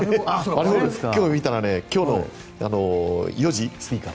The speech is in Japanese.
今日見たら今日の４時過ぎから。